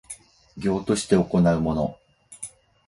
業として行うもの